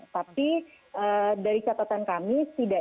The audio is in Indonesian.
tapi dari catatan kami